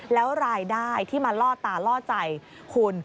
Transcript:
แล้วรายได้ที่มาล่อตาล่อใจคุณ